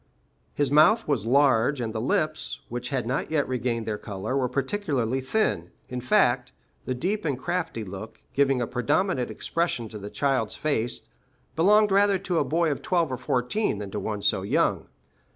His mouth was large, and the lips, which had not yet regained their color, were particularly thin; in fact, the deep and crafty look, giving a predominant expression to the child's face, belonged rather to a boy of twelve or fourteen than to one so young.